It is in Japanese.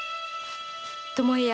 巴屋。